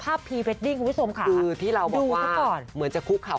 ภาพฟรีแวดดิ่งเล่อไรมีถูกที่เราบอกได้ก่อนเหมือนจะคุดขาว